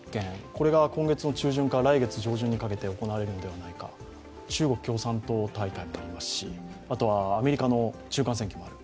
これが今月の中旬か来月上旬にかけて行われるのではないか、中国共産党大会もありますし、アメリカの中間選挙もある。